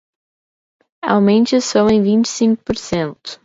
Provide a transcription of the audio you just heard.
Aumente o som em vinte e cinco porcento.